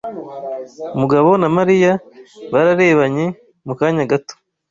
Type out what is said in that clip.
Mugabo na Mariya bararebanye mu kanya gato.